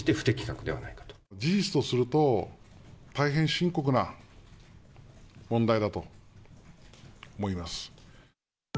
事実とすると、大変深刻な問題だと思います。